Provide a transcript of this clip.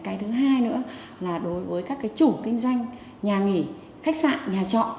cái thứ hai nữa là đối với các cái chủ kinh doanh nhà nghỉ khách sạn nhà trọ